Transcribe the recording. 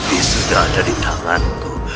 tapi sudah ada di tanganku